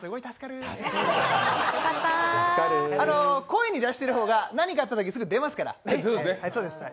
声に出してる方が、何かあったときすぐ出ますから。